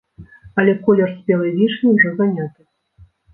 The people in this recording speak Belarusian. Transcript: Але колер спелай вішні ўжо заняты!